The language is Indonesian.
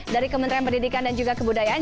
dari kementerian pendidikan dan juga kebudayaan